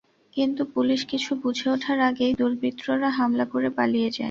কিন্তু পুলিশ কিছু বুঝে ওঠার আগেই দুর্বৃত্তরা হামলা করে পালিয়ে যায়।